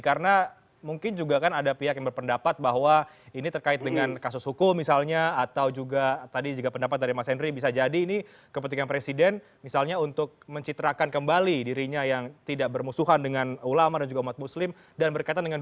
karena mungkin juga kan ada pihak yang berpendapat bahwa ini terkait dengan kasus hukum misalnya atau juga tadi juga pendapat dari mas henry bisa jadi ini kepentingan presiden misalnya untuk mencitrakan kembali dirinya yang tidak bermusuhan dengan ulama dan juga umat muslim dan berkaitan dengan dua ribu sembilan belas